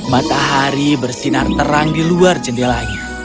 matahari bersinar terang di luar jendelanya